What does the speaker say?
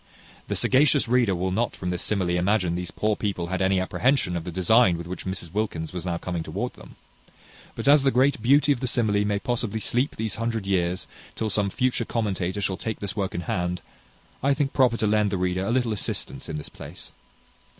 The sagacious reader will not from this simile imagine these poor people had any apprehension of the design with which Mrs Wilkins was now coming towards them; but as the great beauty of the simile may possibly sleep these hundred years, till some future commentator shall take this work in hand, I think proper to lend the reader a little assistance in this place.